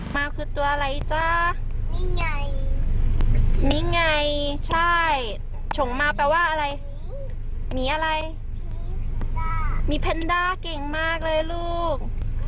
มาคือตัวอะไรจ้ามิไงใช่ฉงมาแปลว่าอะไรมีอะไรมีเพนดาเก่งมากเลยลูก